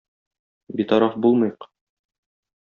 Битараф булмыйк!